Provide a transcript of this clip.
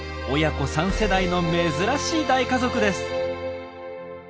親子三世代の珍しい大家族です。